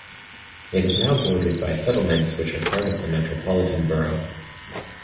It is now bordered by settlements which are part of the metropolitan borough.